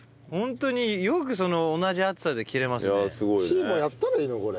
シーもやったらいいよこれ。